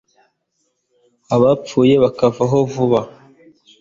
abapfuye bakavaho vuba